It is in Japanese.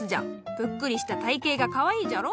ぷっくりした体型がかわいいじゃろ。